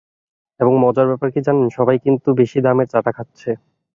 এবং মজার ব্যাপার কী জানেন, সবাই কিন্তু বেশি দামের চাটা খাচ্ছে।